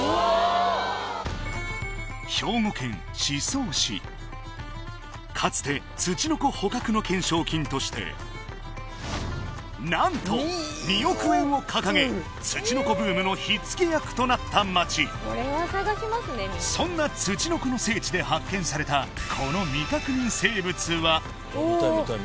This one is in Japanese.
そのかつてツチノコ捕獲の懸賞金として何と２億円を掲げツチノコブームの火付け役となった町そんなツチノコの聖地で発見されたこの未確認